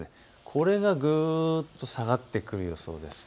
これがぐっと下がってくる予想です。